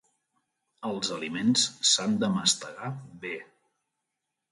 Els aliments s'han de mastegar bé.